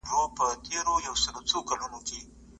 بازارونو کي د خوړو کنټرول څوک کوي؟